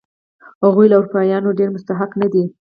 هغوی له اروپایانو یې ډېر مستحق نه دي.